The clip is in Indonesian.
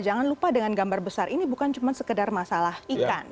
jangan lupa dengan gambar besar ini bukan cuma sekedar masalah ikan